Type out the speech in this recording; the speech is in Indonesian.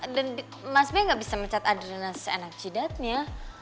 dan mas be ga bisa mecat adriana seenak jidatnya